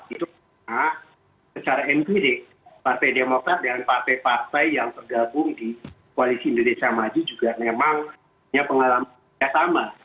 itu secara empirik partai demokrat dan partai partai yang tergabung di koalisi indonesia maju juga memang punya pengalaman yang sama